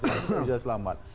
semoga kerja selamat